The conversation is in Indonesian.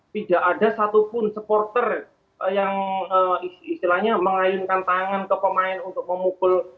tidak ada satupun supporter yang istilahnya mengayunkan tangan ke pemain untuk memukul